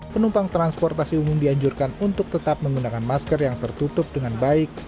penumpang transportasi umum dianjurkan untuk tetap menggunakan masker yang tertutup dengan baik